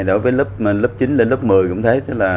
đối với lớp chín đến lớp một mươi cũng thế